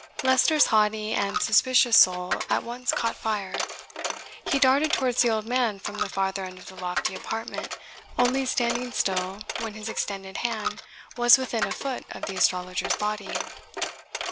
Leicester's haughty and suspicious soul at once caught fire. He darted towards the old man from the farther end of the lofty apartment, only standing still when his extended hand was within a foot of the astrologer's body.